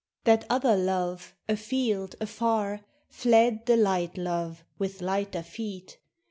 That other love, afield, afar Fled the light love, with lighter feet.